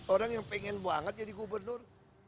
orang yang pengen banget jadi gubernur